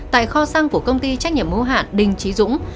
tại kho xăng của công ty trách nhiệm hữu hạn đình trí dũng